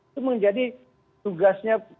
itu menjadi tugasnya